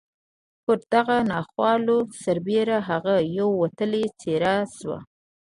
پر دغو ناخوالو سربېره هغه یوه وتلې څېره شوه